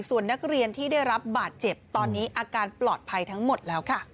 ส่วนนักเรียนที่ได้รับบาดเจ็บตอนนี้อาการปลอดภัยทั้งหมดแล้วค่ะ